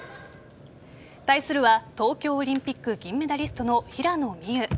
対するは東京オリンピック銀メダリストの平野美宇。